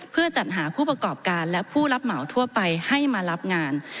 เพื่อจัดหาผู้ประกอบการและผู้รับเหมาทั่วไปให้มารับงาน